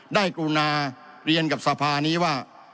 ได้กูนาเรียนกับทราภานี้ว่า